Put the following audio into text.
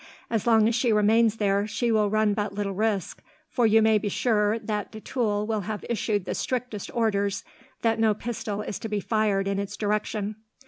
As long as she remains there she will run but little risk, for you may be sure that de Tulle will have issued the strictest orders that no pistol is to be fired in its direction.